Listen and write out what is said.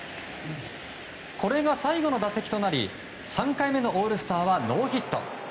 これが最後の打席となり３回目のオールスターはノーヒット。